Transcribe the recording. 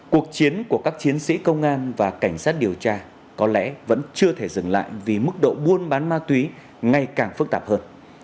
cuộc chiến của các chiến sĩ công an và cảnh sát điều tra có lẽ vẫn chưa thể dừng lại vì mức độ buôn bán ma túy ngày càng phức tạp hơn